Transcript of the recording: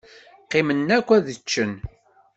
Qqimen akk ad ččen.